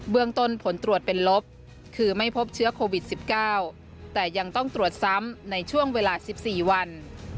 เมืองต้นผลตรวจเป็นลบคือไม่พบเชื้อโควิด๑๙แต่ยังต้องตรวจซ้ำในช่วงเวลา๑๔วัน